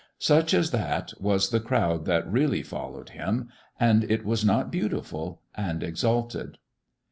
Such as that was the crowd that really followed Him, and it was not beautiful and exalted.